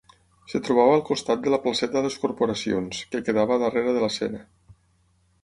Es trobava al costat de la placeta de les Corporacions, que quedava darrere de l'escena.